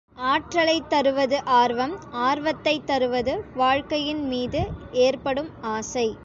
ஆற்றலைத் தருவது ஆர்வம் ஆர்வத்தைத் தருவது, வாழ்க்கையின் மீது ஏற்படும் ஆசை.